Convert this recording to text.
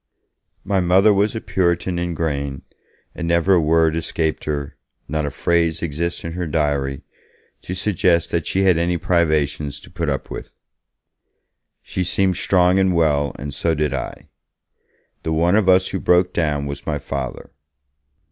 My Mother was a Puritan in grain, and never a word escaped her, not a phrase exists in her diary, to suggest that she had any privations to put up with. She seemed strong and well, and so did I; the one of us who broke down was my Father.